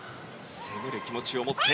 攻める気持ちを持って。